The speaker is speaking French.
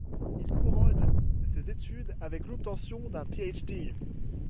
Il couronne ses études avec l'obtention d'un Ph.D.